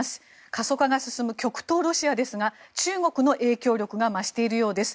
過疎化が進む極東ロシアですが中国の影響力が増しているようです。